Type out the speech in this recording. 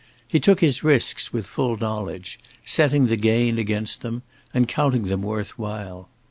He took his risks with full knowledge, setting the gain against them, and counting them worth while.